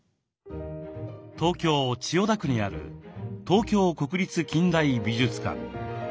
東京・千代田区にある東京国立近代美術館。